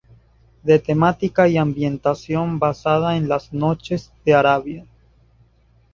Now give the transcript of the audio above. De temática y ambientación basada en las "Noches de Arabia".